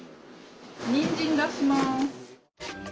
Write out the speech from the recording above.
にんじん出します。